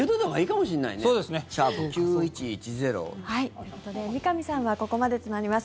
ということで三上さんはここまでとなります。